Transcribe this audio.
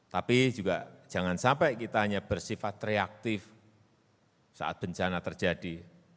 tapi juga jangan sampai kita hanya bersifat reaktif saat bencana terjadi